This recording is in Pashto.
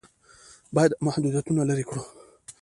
باید محدودیتونه لرې کړو.